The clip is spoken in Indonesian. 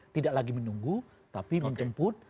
tidak lagi menunggu tapi menjemput